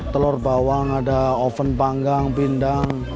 telur bawang ada oven panggang pindang